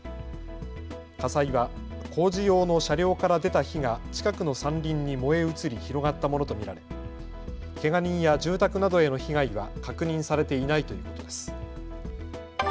火災は工事用の車両から出た火が近くの山林に燃え移り広がったものと見られけが人や住宅などへの被害は確認されていないということです。